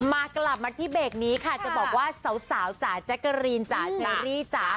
มากลับมาที่เบรกนี้ค่ะจะบอกว่าสาวจ๋าแจ๊กกะรีนจ๋าเชอรี่จ๋า